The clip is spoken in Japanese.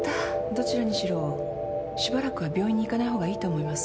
どちらにしろしばらくは病院に行かないほうがいいと思います。